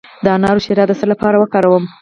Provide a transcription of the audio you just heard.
د انار شیره د څه لپاره وکاروم؟